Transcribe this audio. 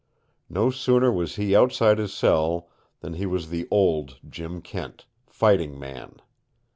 No sooner was he outside his cell than he was the old Jim Kent, fighting man.